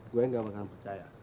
gue gak akan percaya